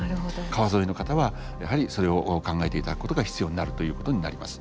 川沿いの方はやはりそれを考えていただくことが必要になるということになります。